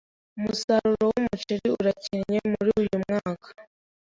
Umusaruro wumuceri urakennye muri uyu mwaka.